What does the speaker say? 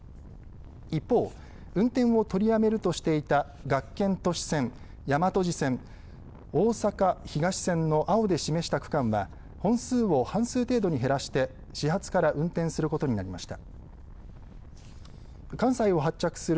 一方運転を取りやめるとしていた学研都市線、大和路線おおさか東線の青で示した区間は本数を半数程度に減らして始発から運転することになりました。